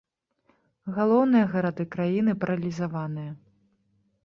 Галоўныя гарады краіны паралізаваныя.